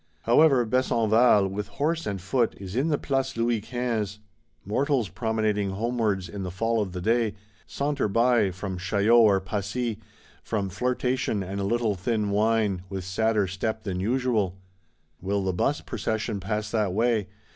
However, Besenval, with horse and foot, is in the Place Louis Quinze. Mortals promenading homewards, in the fall of the day, saunter by, from Chaillot or Passy, from flirtation and a little thin wine; with sadder step than usual. Will the Bust Procession pass that way!